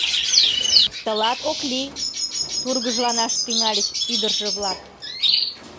Тылат ок лий! — тургыжланаш тӱҥальыч ӱдыржӧ-влак.